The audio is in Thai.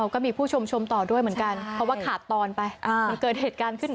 ก็มีผู้ชมชมต่อด้วยเหมือนกันเพราะว่าขาดตอนไปมันเกิดเหตุการณ์ขึ้น